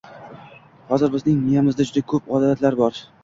Hozir bizning miyamizda juda ko’p “odatlar” bor.